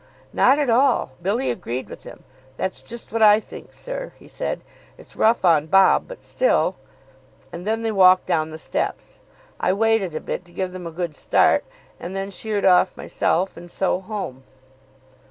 "Not at all. Billy agreed with him. 'That's just what I think, sir,' he said. 'It's rough on Bob, but still ' And then they walked down the steps. I waited a bit to give them a good start, and then sheered off myself. And so home."